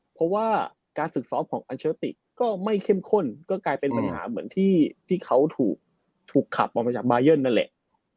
เพราะว่าการฝึกซ้อมของอัลเชอร์ติก็ไม่เข้มข้นก็กลายเป็นปัญหาเหมือนที่เขาถูกขับออกมาจากบายันนั่นแหละ